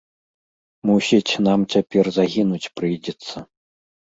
- Мусіць, нам цяпер загінуць прыйдзецца